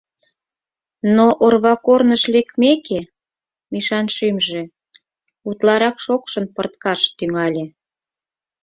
Но орва корныш лекмеке, Мишан шӱмжӧ утларак шокшын пырткаш тӱҥале.